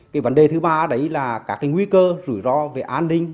cái vấn đề thứ ba đấy là các cái nguy cơ rủi ro về an ninh